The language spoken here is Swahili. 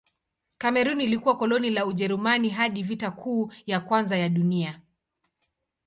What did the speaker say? Kamerun ilikuwa koloni la Ujerumani hadi Vita Kuu ya Kwanza ya Dunia.